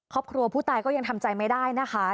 ครอบครัวผู้ตายก็ยังทำใจไม่ได้นะคะ